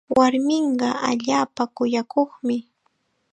Warminqa allaapa kuyakuqmi.